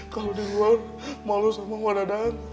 kalo di luar malu sama wadadang